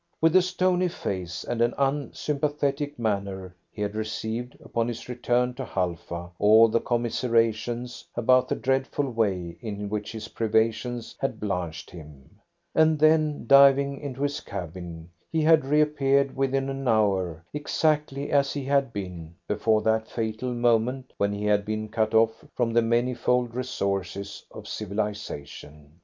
With a stony face and an unsympathetic manner he had received, upon his return to Halfa, all the commiserations about the dreadful way in which his privations had blanched him, and then diving into his cabin, he had reappeared within an hour exactly as he had been before that fatal moment when he had been cut off from the manifold resources of civilisation.